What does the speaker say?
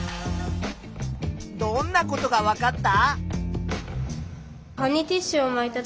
どんなことがわかった？